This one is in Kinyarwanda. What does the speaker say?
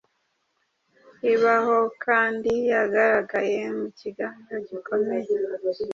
ibahokandi yagaragaye mu kiganiro gikomeye